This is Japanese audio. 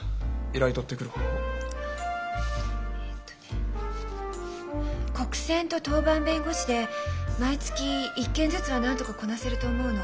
あっえっとね国選と当番弁護士で毎月１件ずつはなんとかこなせると思うの。